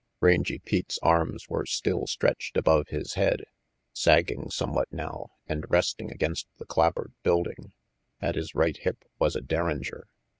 Rangy Pete's arms were still stretched above his head, sagging somewhat now, and resting against the clapboard building. At his right hip was a derringer.